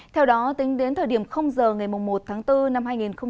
theo đó tính đến thời điểm giờ ngày một tháng bốn năm hai nghìn một mươi chín